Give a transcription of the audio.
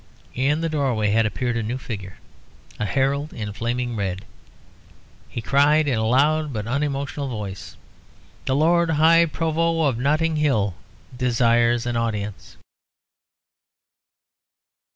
In the doorway had appeared a new figure, a herald in flaming red. He cried in a loud but unemotional voice "The Lord High Provost of Notting Hill desires an audience."